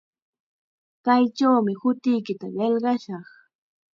Kaychawmi hutiykita qillqashaq.